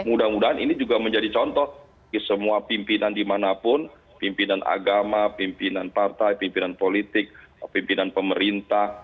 mudah mudahan ini juga menjadi contoh di semua pimpinan dimanapun pimpinan agama pimpinan partai pimpinan politik pimpinan pemerintah